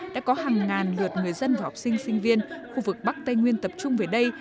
đã có hàng ngàn lượt người dân và học sinh sinh viên khu vực bắc tây nguyên tập trung về đây